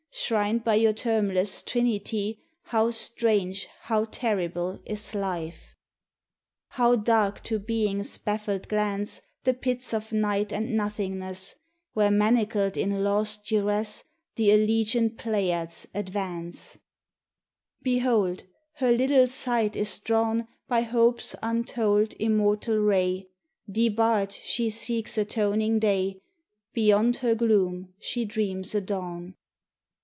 Shrined by your termless trinity, How strange, how terrible, is life! How dark to Being's baffled glance The pits of night and nothingness, Where manacled in Law's duress The allegiant Pleiades advance! 75 THE TESTIMONY OF THE SUNS. Behold! her little sight is drawn By Hope's untold, immortal ray; Debarred, she seeks atoning day; Beyond her gloom she dreams a dawn.